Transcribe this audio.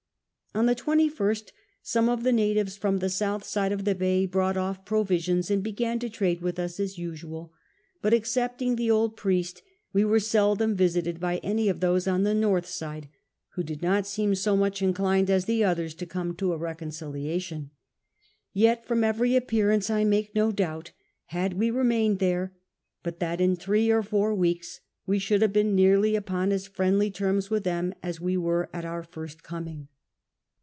On the 21st some of the natives fi'om the south sid(i of the bay brought off provisions and began to trade with us as usual ; but excepting the ol<l priest, we were, seldom visited by any of those on the north side, wlio did not seem so much imdined as the othei s to come to a reconciliation : yet from every a{»pearance T make no doubt, had Ave remained tliere, but that in three or four wettks we should have been nearly upon tis friendly terms with them as we were at our first coming.